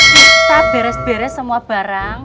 kita beres beres semua barang